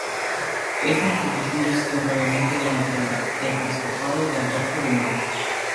Esta institución ya existió brevemente durante el episcopado de Adolfo de Mark.